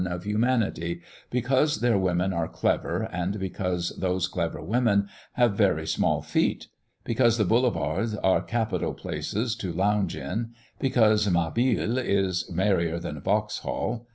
of humanity, because their women are clever, and because those clever women have very small feet; because the Boulevards are capital places to lounge in; because Mabile is merrier than Vauxhall.